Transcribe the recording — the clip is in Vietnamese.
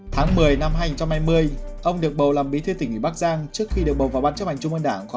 tháng một mươi năm hai nghìn hai mươi ông được bầu làm bí thư tỉnh ủy bắc giang trước khi được bầu vào bắt chấp hành chung môn đảng khóa một mươi ba